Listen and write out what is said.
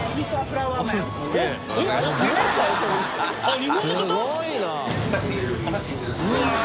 日本の方？